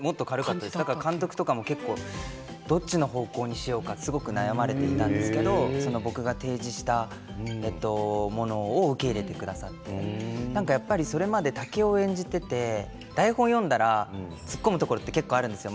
監督とかもどっちの方向にしようかすごく悩まれていたんですけど僕が提示したものを受け入れてくださってそれまで、竹雄を演じていて台本を読んだら突っ込むところって結構あるんですよ